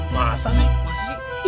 masa sih masa sih